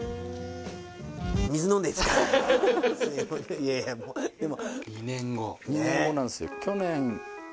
いやいやもうでも。